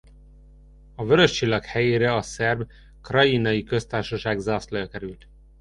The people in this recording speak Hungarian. A vörös csillag helyére a szerb krajinai köztársaság zászlaja került.